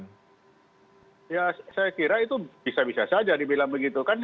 ya saya kira itu bisa bisa saja dibilang begitu kan